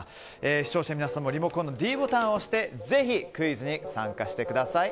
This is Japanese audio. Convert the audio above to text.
視聴者の皆さんもリモコンのｄボタンを押してぜひクイズに参加してください。